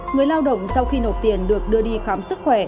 người lao động sau khi nộp tiền được đưa đi khám sức khỏe